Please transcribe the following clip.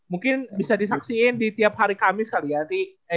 mungkin bisa disaksiin di tiap hari kamis kali ya